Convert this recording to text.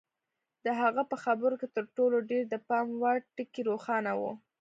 د هغه په خبرو کې تر ټولو ډېر د پام وړ ټکی روښانه و.